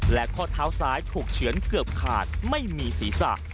และข้อเท้าซ้ายถูกเฉือนเกือบขาดไม่มีศีรษะ